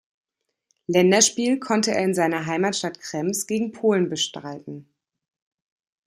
Länderspiel konnte er in seiner Heimatstadt Krems gegen Polen bestreiten.